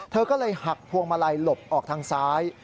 เธอก็เลยหักพวงมาลัยหลบออกทางซ้าย